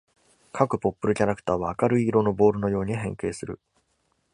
各 Popple キャラクターは明るい色のボールのように変形する。